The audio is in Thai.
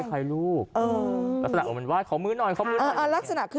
ผีหรอ